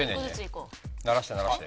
ならしてならして。